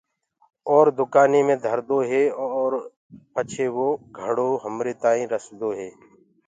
اور دُڪآني مي ڌردو هي ارو پچي وو گھڙو همري تآئينٚ رسدو هي۔